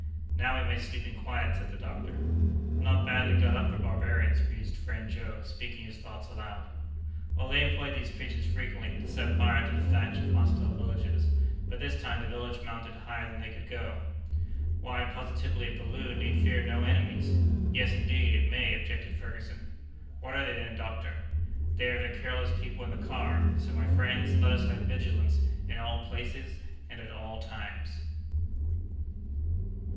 "Now we may sleep in quiet," said the doctor. "Not badly got up for barbarians," mused friend Joe, speaking his thoughts aloud. "Oh, they employ these pigeons frequently, to set fire to the thatch of hostile villages; but this time the village mounted higher than they could go." "Why, positively, a balloon need fear no enemies!" "Yes, indeed, it may!" objected Ferguson. "What are they, then, doctor?" "They are the careless people in the car! So, my friends, let us have vigilance in all places and at all times."